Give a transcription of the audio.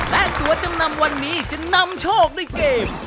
และตัวจำนำวันนี้จะนำโชคด้วยเกม